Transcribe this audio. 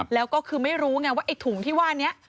แล้วก็คือไม่รู้ไงว่าไอ้ถุงที่ว่านี้